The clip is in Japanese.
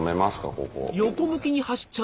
ここ。